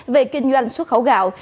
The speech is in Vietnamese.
về kinh doanh xuất khẩu gạo